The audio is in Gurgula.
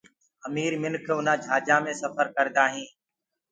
امير آدمي اُرآ جھآجو مي سڦر ڪرآ هينٚ۔